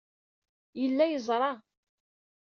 Yella yeẓra.